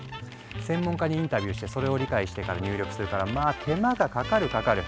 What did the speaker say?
専門家にインタビューしてそれを理解してから入力するからまあ手間がかかるかかる。